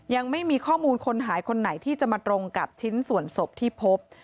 ยังไม่มีข้อมูลคนหายคนไหนที่จะมาตรงกับชิ้นส่วนศพที่พบ